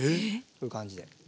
こういう感じで。